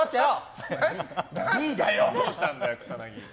どうしたんだよ、草薙。